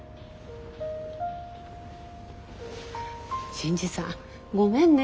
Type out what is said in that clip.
新次さんごめんね。